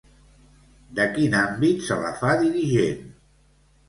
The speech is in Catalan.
De quin àmbit se la fa dirigent?